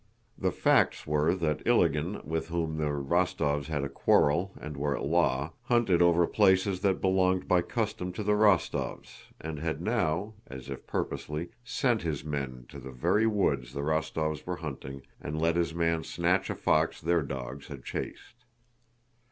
The facts were that Ilágin, with whom the Rostóvs had a quarrel and were at law, hunted over places that belonged by custom to the Rostóvs, and had now, as if purposely, sent his men to the very woods the Rostóvs were hunting and let his man snatch a fox their dogs had chased.